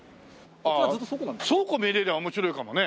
見れりゃ面白いかもね。